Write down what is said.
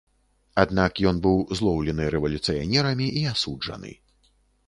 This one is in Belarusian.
Аднак ён быў злоўлены рэвалюцыянерамі і асуджаны.